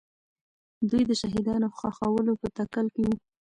دوی د شهیدانو ښخولو په تکل کې وو.